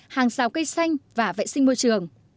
hàng xào cây xanh và vệ sinh môi trường